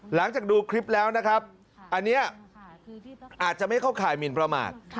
หลังจากดูคลิปแล้วนะครับอันนี้อาจจะไม่เข้าข่ายหมินประมาท